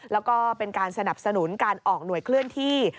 แล้วก็เป็นการสนับสนุนการออกหน่วยเคลื่อนที่